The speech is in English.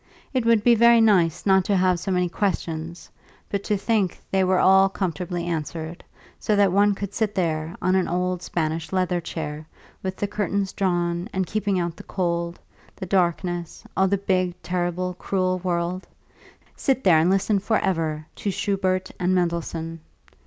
It would be very nice not to have so many questions, but to think they were all comfortably answered, so that one could sit there on an old Spanish leather chair, with the curtains drawn and keeping out the cold, the darkness, all the big, terrible, cruel world sit there and listen for ever to Schubert and Mendelssohn.